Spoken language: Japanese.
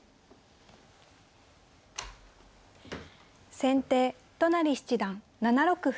先手都成七段７六歩。